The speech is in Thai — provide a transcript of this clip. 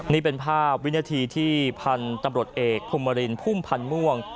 นี่เป็นภาพวินาทีที่พันธุ์ตำรวจเอกพุมรินพุ่มพันธ์ม่วง